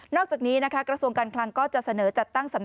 นอกจากนี้กระทรวงการคลังก็จะเสนอจัดตั้งสำนักงาน